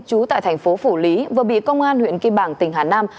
trú tại thành phố phủ lý vừa bị công an huyện kim bảng tỉnh hà nam